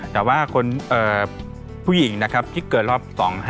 แต่ว่าคนผู้หญิงนะครับที่เกิดรอบ๒๕